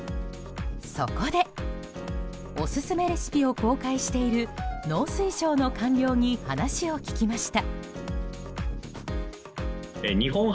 そこでオススメレシピを公開している農水省の官僚に話を聞きました。